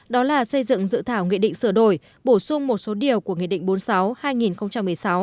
đó là xây dựng dự thảo nghị định sửa đổi bổ sung một số điều của nghị định bốn mươi sáu hai nghìn một mươi sáu